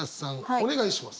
お願いします。